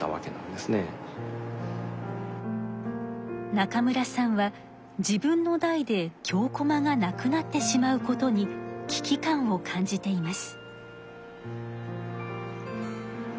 中村さんは自分の代で京こまがなくなってしまうことに危機感を感じています。